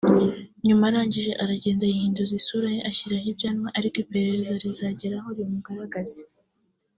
nyuma arangije aragenda yihinduza isura ye ashyiraho ibyanwa ariko iperereza rizageraho rimugaragaze